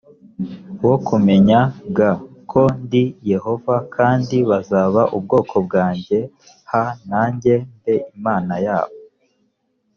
wo kumenya g ko ndi yehova kandi bazaba ubwoko bwanjye h nanjye mbe imana yabo